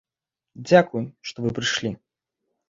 Дзякуй, што вы прыйшлі.